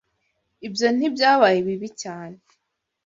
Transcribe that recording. Ibyo ntibyabaye bibi cyane.